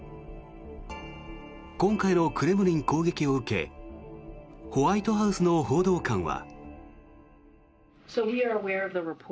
今回のクレムリン攻撃を受けホワイトハウスの報道官は。